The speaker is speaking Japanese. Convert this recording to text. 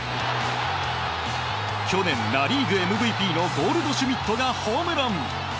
去年ナ・リーグＭＶＰのゴールドシュミットがホームラン。